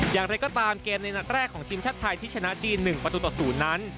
อย่างไรก็ตามเกมในนัดแรกของทีมชาติไทยที่ชนะจีน๑ประตูต่อ๐นั้น